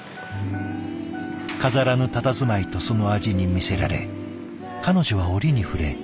飾らぬたたずまいとその味に魅せられ彼女は折に触れ